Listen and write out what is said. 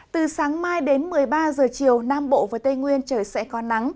từ sáng mai đến một mươi ba giờ chiều nam bộ và tây nguyên trời sẽ có nắng